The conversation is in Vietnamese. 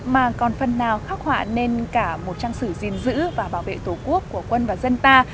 mà còn phần nào khắc họa nên cả một trang sử gìn giữ và bảo vệ tổ quốc của quân và dân ta